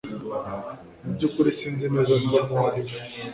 Mubyukuri sinzi neza Tom uwo ari we